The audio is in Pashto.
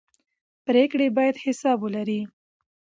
پرېکړې باید حساب ولري